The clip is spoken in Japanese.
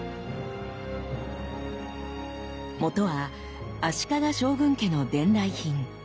もとは足利将軍家の伝来品。